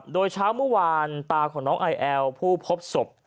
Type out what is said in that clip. โดยเช้าเมื่อวานตาของน้องไอแอลผู้พบศพ